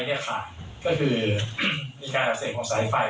สายไฟนี่ค่ะก็คือมีการอาจารย์ของสายไฟ